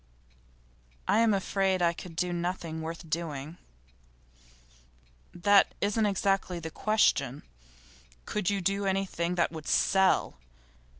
'I'm afraid I could do nothing worth doing.' 'That isn't exactly the question. Could you do anything that would sell?